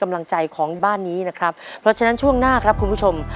กำลังใจของบ้านนี้นะครับเพราะฉะนั้นช่วงหน้าครับคุณผู้ชม